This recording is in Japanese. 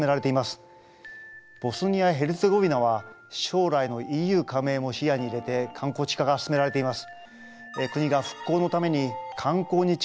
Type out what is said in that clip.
ボスニア・ヘルツェゴビナは将来のＥＵ加盟も視野に入れて観光地化が進められています。